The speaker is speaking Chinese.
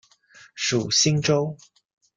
属新州。